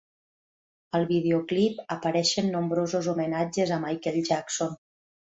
Al videoclip apareixen nombrosos homenatges a Michael Jackson.